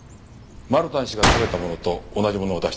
マルタン氏が食べたものと同じものを出してください。